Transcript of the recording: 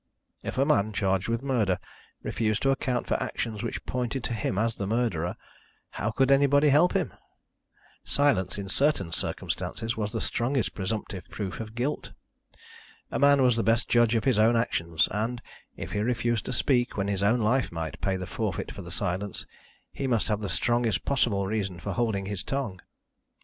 If a man, charged with murder, refused to account for actions which pointed to him as the murderer, how could anybody help him? Silence, in certain circumstances, was the strongest presumptive proof of guilt. A man was the best judge of his own actions and, if he refused to speak when his own life might pay the forfeit for silence, he must have the strongest possible reason for holding his tongue.